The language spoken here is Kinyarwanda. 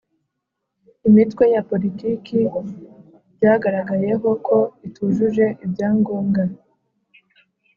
imitwe ya politiki byagaragayeho ko itujuje ibyangombwa